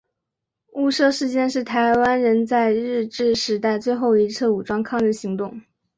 雾社事件是台湾人在日治时代最后一次武装抗日行动。